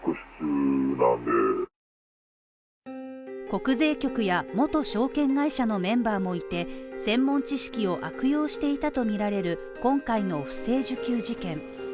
国税局や元証券会社のメンバーもいて専門知識を悪用していたとみられる今回の不正受給事件。